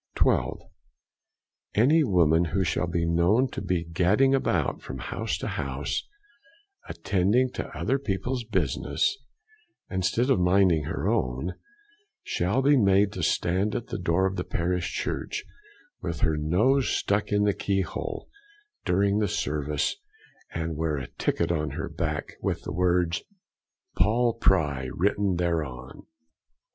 12. Any woman who shall be known to be gadding about from house to house, attending to other people's business instead of minding her own, shall be made to stand at the door of the parish church with her nose stuck in the key hole, during the service, and wear a ticket on her back, with the words Paul Pry written thereon.